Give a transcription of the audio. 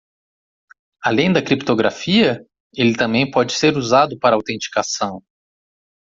Além da criptografia?, ele também pode ser usado para autenticação.